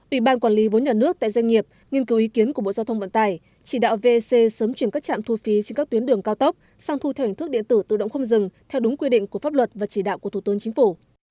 ủy ban quản lý vốn nhà nước tại doanh nghiệp nghiên cứu ý kiến của bộ giao thông vận tải chỉ đạo vec sớm chuyển các trạm thu phí trên các tuyến đường cao tốc sang thu theo hình thức điện tử tự động không dừng theo đúng quy định của pháp luật và chỉ đạo của thủ tướng chính phủ